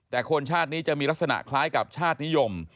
แต่คนชาตินี้จะมีลักษณะคล้ายกับชาตินิยม